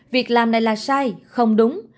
việc làm này là sai không đúng